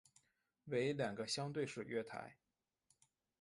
为两个相对式月台。